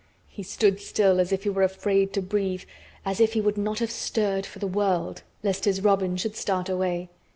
He stood still as if he were afraid to breathe—as if he would not have stirred for the world, lest his robin should start away.